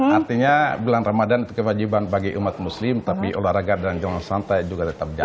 artinya bulan ramadan itu kewajiban bagi umat muslim tapi olahraga dalam santai juga tetap jalan